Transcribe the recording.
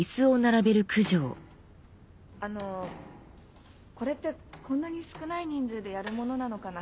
あのこれってこんなに少ない人数でやるものなのかな？